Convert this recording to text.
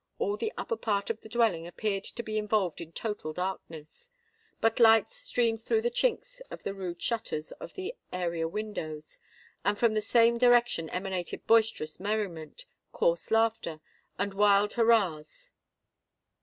All the upper part of the dwelling appeared to be involved in total darkness: but lights streamed through the chinks of the rude shutters of the area windows; and from the same direction emanated boisterous merriment, coarse laughter, and wild hurrahs.